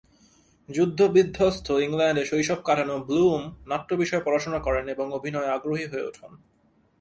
যুদ্ধ বিধ্বস্ত ইংল্যান্ডে শৈশব কাটানো ব্লুম নাট্য বিষয়ে পড়াশুনা করেন এবং অভিনয়ে আগ্রহী হয়ে ওঠেন।